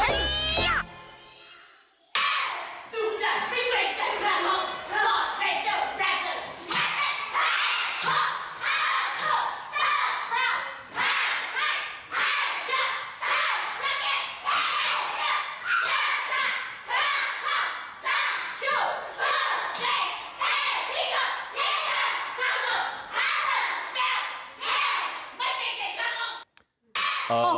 ไม่เกรงใจกับของ